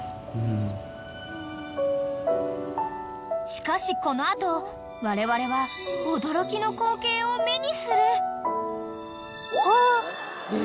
［しかしこの後われわれは驚きの光景を目にする］